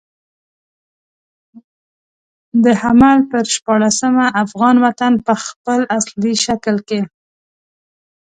د حمل پر شپاړلسمه افغان وطن په خپل اصلي شکل کې.